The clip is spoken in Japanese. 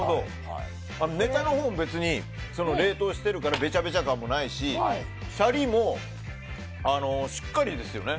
ネタのほうも別に冷凍しているからべちゃべちゃ感もないしシャリもしっかりですよね。